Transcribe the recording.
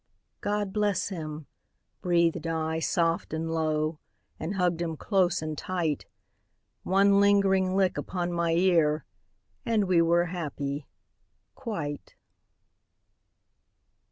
"God bless him," breathed I soft and low, And hugged him close and tight. One lingering lick upon my ear And we were happy quite.